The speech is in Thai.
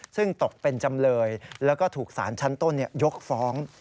ซึ่งตกเป็นจำเลยแล้วก็ถูกสารชั้นต้นยกฟ้อง